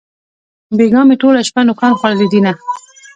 بېگاه مې ټوله شپه نوکان خوړلې دينه